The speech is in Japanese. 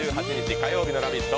火曜日の「ラヴィット！」